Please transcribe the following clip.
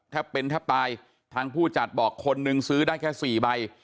เป็นแทบตายทางผู้จัดบอกคนนึงซื้อได้แค่สี่ใบ